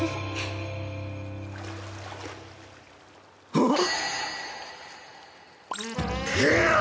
あっ！